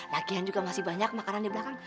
latihan juga masih banyak makanan di belakang